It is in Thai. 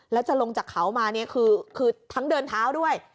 แล้วจะลงจากเขามาเนี่ยคือทั้งเดินเท้าด้วย